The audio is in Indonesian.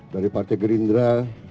dari partai gerindra